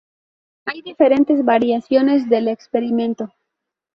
Hay diferentes variaciones del experimento.